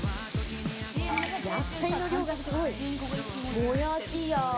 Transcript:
野菜の量がすごい！